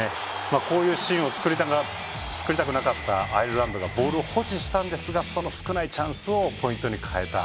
こういうシーンを作りたくなかったアイルランドがボールを保持したんですが少ないチャンスをポイントに変えた。